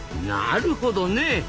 なるほどね。